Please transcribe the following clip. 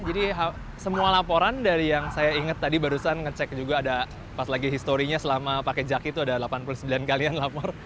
jadi semua laporan dari yang saya ingat tadi barusan ngecek juga ada pas lagi historinya selama pakai jaki itu ada delapan puluh sembilan kalian lapor